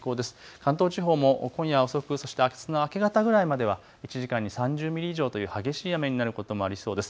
関東地方も今夜遅く、そしてあすの明け方ぐらいまでは、１時間に３０ミリ以上という激しい雨になることもありそうです。